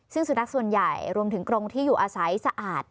ซึ่งสุนัขส่วนใหญ่รวมถึงกรงที่อยู่อาศัยสะอาด